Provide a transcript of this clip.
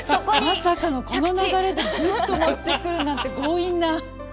まさかこの流れでグッと持ってくるなんて強引な。